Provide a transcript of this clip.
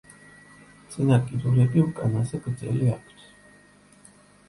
წინა კიდურები უკანაზე გრძელი აქვთ.